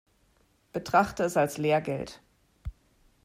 Betrachte es als Lehrgeld.